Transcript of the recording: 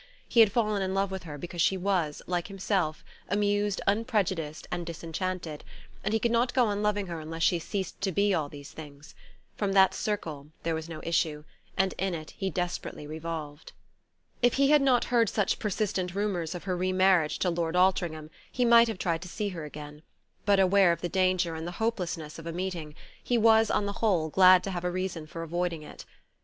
He had fallen in love with her because she was, like himself, amused, unprejudiced and disenchanted; and he could not go on loving her unless she ceased to be all these things. From that circle there was no issue, and in it he desperately revolved. If he had not heard such persistent rumours of her re marriage to Lord Altringham he might have tried to see her again; but, aware of the danger and the hopelessness of a meeting, he was, on the whole, glad to have a reason for avoiding it.